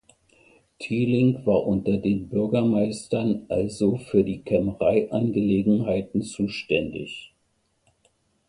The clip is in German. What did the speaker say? Thieling war unter den Bürgermeistern also für die Kämmereiangelegenheiten zuständig.